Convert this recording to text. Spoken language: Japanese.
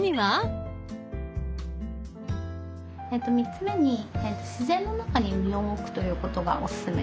３つ目に自然の中に身を置くということがおすすめです。